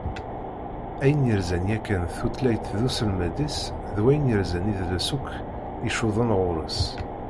Ayen yerzan yakan tutlayt d uselmed-is, d wayen yerzan idles akk icudden ɣur-s.